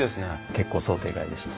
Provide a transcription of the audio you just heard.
結構想定外でした。